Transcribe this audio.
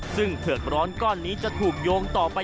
ซึ่งเผือกร้อนก้อนนี้จะถูกโยงต่อไป